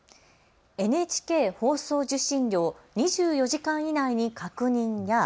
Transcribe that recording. ＮＨＫ放送受信料２４時間以内に確認や